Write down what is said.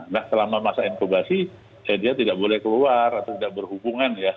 nah selama masa inkubasi dia tidak boleh keluar atau tidak berhubungan ya